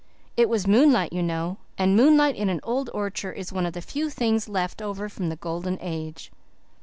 It was moonlight, you know, and moonlight in an old orchard is one of the few things left over from the Golden Age."